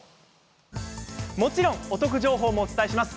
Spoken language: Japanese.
もちろんお得情報もお伝えします。